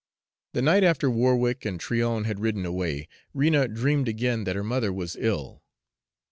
The night after Warwick and Tryon had ridden away, Rena dreamed again that her mother was ill.